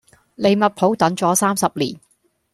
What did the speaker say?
利物浦等咗三十年